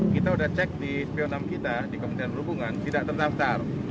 kita udah cek di spionam kita di kementerian perhubungan tidak terdaftar